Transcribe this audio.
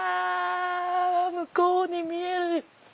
向こうに見える！